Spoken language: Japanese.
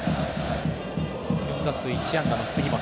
４打数１安打の杉本。